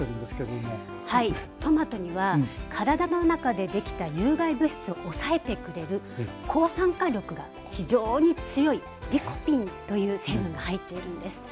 トマトには体の中でできた有害物質を抑えてくれる抗酸化力が非常に強いリコピンという成分が入っているんです。